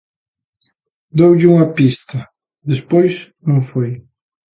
Doulle unha pista: despois non foi.